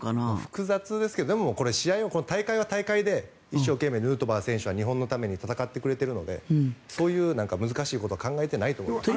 複雑ですけど大会は大会で一生懸命、ヌートバー選手は日本のために戦ってくれているのでそういう難しいことは考えてないと思います。